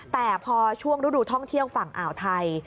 แต่พอช่วงฤดูท่องเที่ยวฝั่งอ่าวไทย